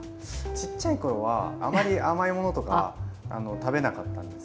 ちっちゃい頃はあまり甘い物とか食べなかったんです